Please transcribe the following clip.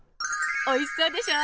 おいしそうでしょ！